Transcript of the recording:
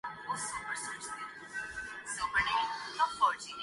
کیا کرپشن اس طرح ختم ہوتی ہے؟